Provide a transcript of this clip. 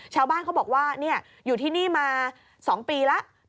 ชาวบ้านเขาบอกว่าอยู่ที่นี่มา๒ปีแล้ว